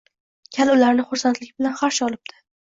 Kal ularni xursandlik bilan qarshi olibdi